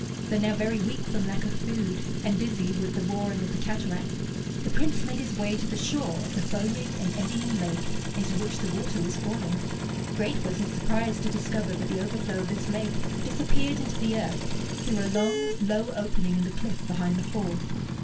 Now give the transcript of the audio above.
Though now very weak from lack of food, and dizzy with the roaring of the cataract, the Prince made his way to the shore of the foaming and eddying lake into which the water was falling. Great was his surprise to discover that the overflow of this lake disappeared into the earth through a long, low opening in the cliff behind the fall.